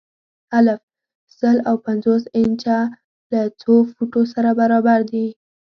الف: سل او پنځوس انچه له څو فوټو سره برابر دي؟